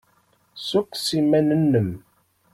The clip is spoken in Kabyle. Ssukkes iman-nnem.